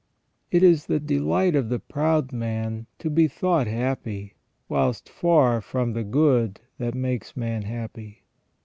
It is the delight of the proud man to be thought happy, whilst far from the good that makes man happy.